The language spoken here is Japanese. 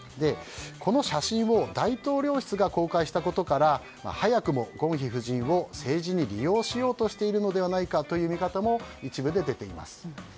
この写真を、大統領室が公開したことから早くも、ゴンヒ夫人を政治に利用しようとしているのではないかという見方も一部で出ています。